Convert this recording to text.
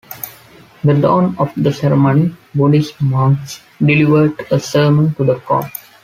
The dawn of the ceremony, Buddhist monks delivered a sermon to the court.